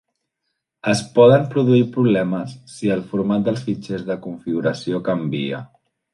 Es poden produir problemes si el format dels fitxers de configuració canvia.